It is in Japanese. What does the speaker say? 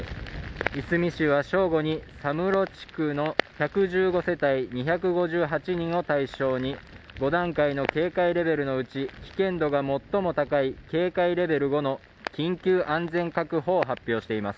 いすみ市は正午に佐室地区の１１５世帯２５８人を対象に５段階の警戒レベルのうち危険度が最も高い緊急安全確保を発表しています。